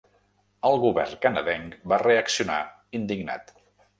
El govern canadenc va reaccionar indignat.